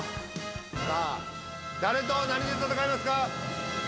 さあ誰と何で戦いますか？